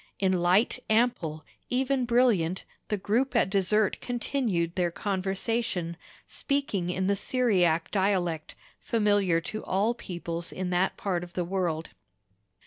In light ample, even brilliant, the group at dessert continued their conversation, speaking in the Syriac dialect, familiar to all peoples in that part of the world.